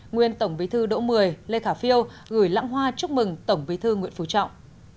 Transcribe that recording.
nguyên tổng bí thư đỗ mười lê khả phiêu gửi lãng hoa chúc mừng tổng bí thư nguyễn phú trọng